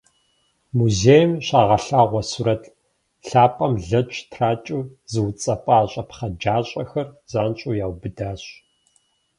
Музейм щагъэлъагъуэ сурэт лъапӏэм лэч тракӏэу зыуцӏэпӏа щӏэпхъэджащӏэхэр занщӏэу яубыдащ.